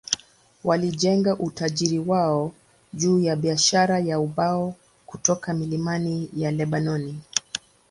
Walijenga utajiri wao juu ya biashara ya ubao kutoka milima ya Lebanoni.